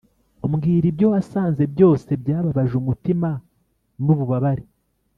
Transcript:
mbwira ibyo wasanze byose byababaje umutima nububabare